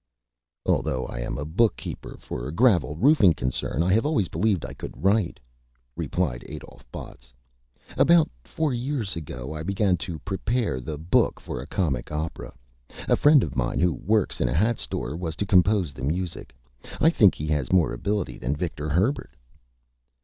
"Although I am a Bookkeeper for a Gravel Roofing Concern, I have always believed I could Write," replied Adolph Botts. "About four years ago I began to prepare the Book for a Comic Opera. A Friend of mine who works in a Hat Store was to Compose the Music. I think he has more Ability than Victor Herbert."